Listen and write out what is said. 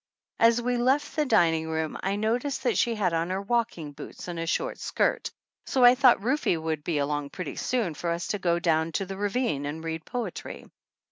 As we left the dining room I noticed that she had on her walking boots and a short skirt, so I thought Rufe would be along pretty soon for us to go down to the ravine and read poetry.